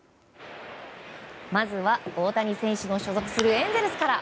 まずは、大谷選手の所属するエンゼルスから。